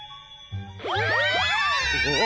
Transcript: うわ！